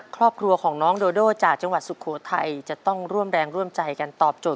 ครอบครัวของน้องโดโดจากจังหวัดสุโขทัยจะต้องร่วมแรงร่วมใจกันตอบโจทย